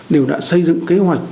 đều đã xây dựng kế hoạch